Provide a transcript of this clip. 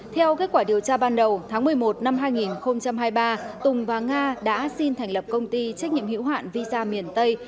theo kết quả điều tra ban đầu tháng một mươi một năm hai nghìn hai mươi ba tùng và nga đã xin thành lập công ty trách nhiệm hữu hạn visa miền tây